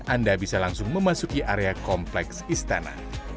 anda bisa langsung memasuki area kompleks istana